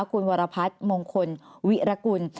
คุณวรพัฒน์มงคลวิรกุล